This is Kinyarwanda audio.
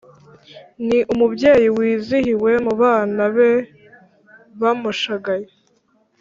ni umubyeyi wizihiwe mu bana be bamushagaye.